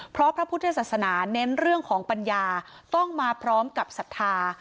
เพราะพระพุทธศาสนาเน้นเรื่องของปัญญาต้องมาพร้อมกับศรัทธา